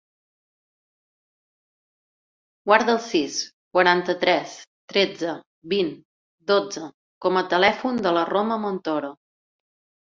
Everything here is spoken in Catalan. Guarda el sis, quaranta-tres, tretze, vint, dotze com a telèfon de la Roma Montoro.